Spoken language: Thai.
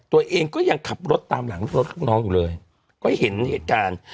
ตัวเองก็ยังขับรถตามหลังรถลูกน้องอยู่เลยก็เห็นเหตุการณ์